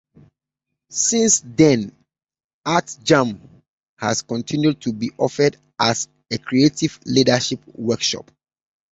Since then, "Art Jam" has continued to be offered as a creative leadership workshop.